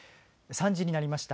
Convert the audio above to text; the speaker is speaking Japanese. ３時になりました。